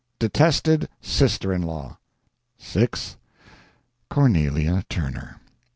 Detested sister in law 6. CORNELIA TURNER.